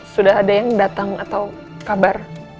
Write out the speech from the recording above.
sudah ada yang datang atau kabar